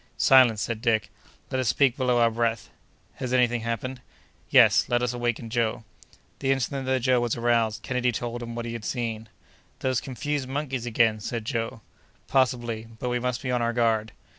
"Silence!" said Dick. "Let us speak below our breath." "Has any thing happened?" "Yes, let us waken Joe." The instant that Joe was aroused, Kennedy told him what he had seen. "Those confounded monkeys again!" said Joe. "Possibly, but we must be on our guard."